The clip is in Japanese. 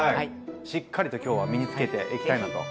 しっかりと今日は身につけていきたいなと思います。